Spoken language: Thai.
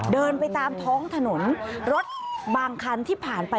เดินไปตามท้องถนนรถบางคันที่ผ่านไป